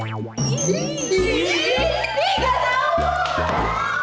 ih ga tau